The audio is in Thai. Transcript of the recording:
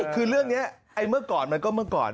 คือเรื่องนี้เมื่อก่อนมันก็เมื่อก่อน